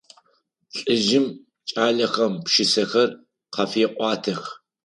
Лӏыжъым кӏалэхэм пшысэхэр къафеӏуатэх.